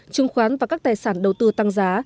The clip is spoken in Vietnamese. chứng khoán và các tài sản đầu tư tăng giá